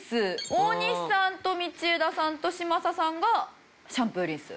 大西さんと道枝さんと嶋佐さんがシャンプー・リンス。